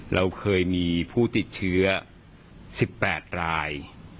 เราเคยมีผู้ติดเชื้อ๑๘ราย